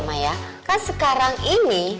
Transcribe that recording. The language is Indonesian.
maya kan sekarang ini